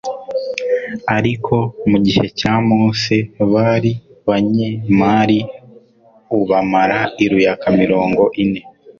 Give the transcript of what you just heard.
ariko mu gihe cya Mose bari banye Mariu bamara iruyaka mirongo ine